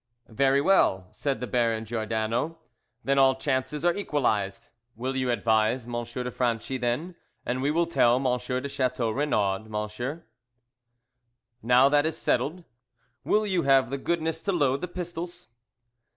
"Very well," said the Baron Giordano, "then all chances are equalized." "Will you advise M. de Franchi, then, and we will tell M. de Chateau Renaud, monsieur." "Now that is settled, will you have the goodness to load the pistols?"